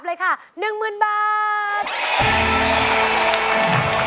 แล้วน้องใบบัวร้องได้หรือว่าร้องผิดครับ